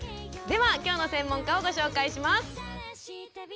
ではきょうの専門家をご紹介します。